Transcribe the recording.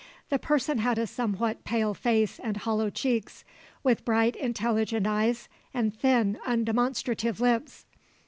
The person had a somewhat pale face and hollow cheeks, with bright intelligent eyes, and thin, undemonstrative lips.